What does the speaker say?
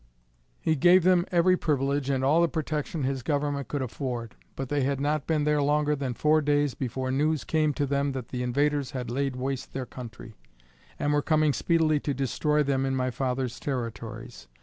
He gave them every privilege and all the protection his government could afford. But they had not been there longer than four days before news came to them that the invaders had laid waste their country, and were coming speedily to destroy them in my father's territories.